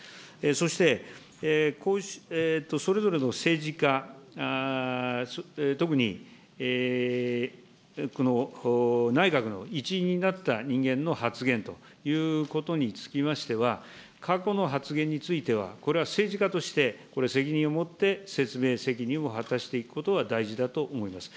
そして、それぞれの政治家、特にこの内閣の一員になった人間の発言ということにつきましては、過去の発言については、これは政治家として、これ責任を持って、説明責任を果たしていくことは大事だと思います。